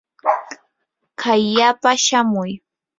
kayllapa shamuy.